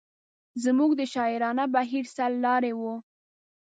زموږ د شاعرانه بهیر سر لاری و.